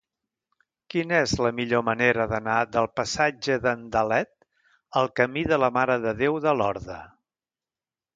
Quina és la millor manera d'anar del passatge d'Andalet al camí de la Mare de Déu de Lorda?